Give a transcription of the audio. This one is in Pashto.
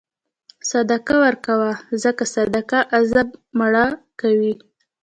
صدقه ورکوه، ځکه صدقه غضب مړه کوي.